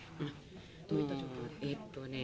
どういった状況で？